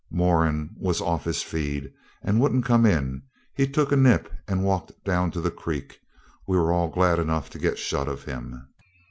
Moran was off his feed, and wouldn't come in. He took a nip and walked down to the creek. We were all glad enough to get shut of him.